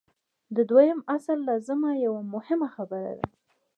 د دویم اصل لازمه یوه مهمه خبره ده.